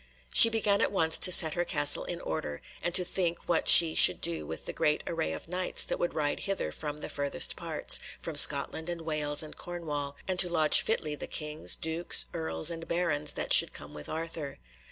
She began at once to set her castle in order, and to think what she should do with the great array of Knights that would ride hither from the furthest parts—from Scotland and Wales and Cornwall—and to lodge fitly the Kings, Dukes, Earls, and Barons that should come with Arthur.